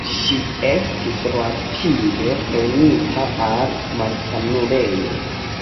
Ŝi estis rapide prenita al malsanulejo.